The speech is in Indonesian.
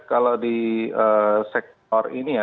kalau di sektor ini ya